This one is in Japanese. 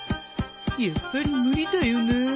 やっぱり無理だよな